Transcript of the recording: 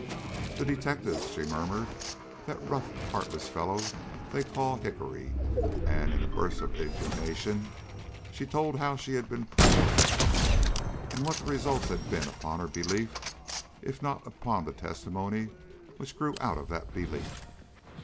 "The detectives," she murmured; "that rough, heartless fellow they call Hickory." And, in a burst of indignation, she told how she had been practised upon, and what the results had been upon her belief, if not upon the testimony which grew out of that belief.